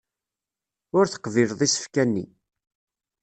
Ur teqbileḍ isefka-nni.